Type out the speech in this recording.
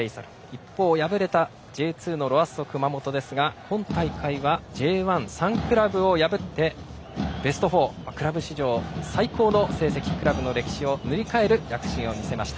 一方敗れたＪ２のロアッソ熊本ですが今大会はＪ１、３クラブを破ってベスト４、クラブ史上最高の成績、クラブの歴史を塗り替える躍進を見せました。